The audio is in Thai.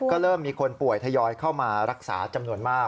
ก็เริ่มมีคนป่วยทยอยเข้ามารักษาจำนวนมาก